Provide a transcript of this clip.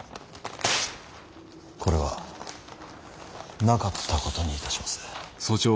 これはなかったことにいたします。